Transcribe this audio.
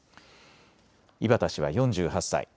井端氏は４８歳。